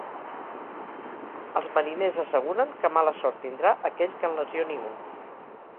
Els mariners asseguren que mala sort tindrà aquell que en lesioni un.